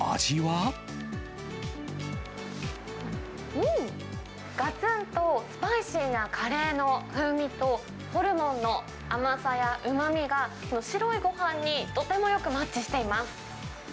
うん、がつんとスパイシーなカレーの風味と、ホルモンの甘さやうまみが、この白いごはんにとてもよくマッチしています。